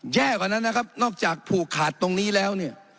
แย่กว่านั้นนะครับนอกจากผูกขาดตรงนี้แล้วเนี่ย